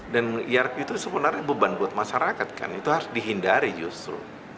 dan irp itu sebenarnya beban buat masyarakat kan itu harus dihindari justru